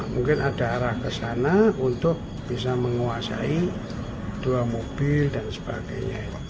mungkin ada arah ke sana untuk bisa menguasai dua mobil dan sebagainya